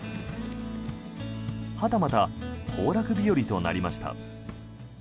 はたまた行楽日和となりました。